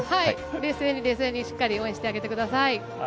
冷静にしっかり応援してあげてください。